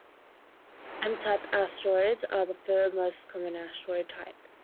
M-type asteroids are the third most common asteroid type.